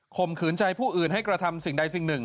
มขืนใจผู้อื่นให้กระทำสิ่งใดสิ่งหนึ่ง